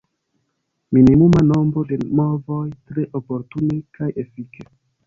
Minimuma nombro de movoj – tre oportune kaj efike.